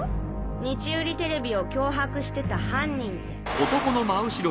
日売テレビを脅迫してた犯人って。